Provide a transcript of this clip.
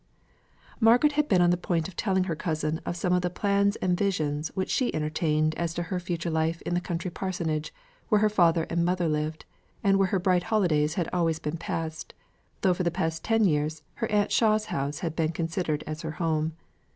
Margaret had been on the point of telling her cousin of some of the plans and visions which she entertained as to her future life in the country parsonage, where her father and mother lived; and where her bright holidays had always been passed, though for the last ten years her aunt Shaw's house had been considered as her home.